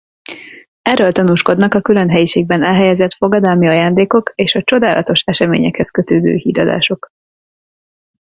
Erről tanúskodnak a külön helyiségben elhelyezett fogadalmi ajándékok és a csodálatos eseményekhez kötődő híradások.